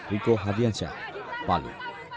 diko hadianca bali